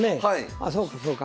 あそうかそうか。